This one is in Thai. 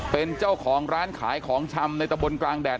เป็นเจ้าของร้านขายของชำในตะบนกลางแดด